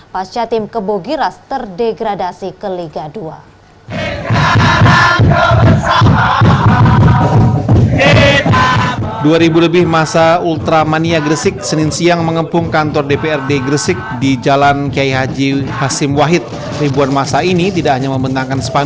pasca tim kebogiras terdegradasi ke liga dua